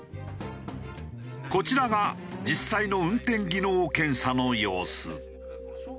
こちらが実際の運転技能検査の様子。